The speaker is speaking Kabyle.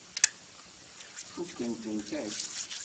Fukkent-tent akk.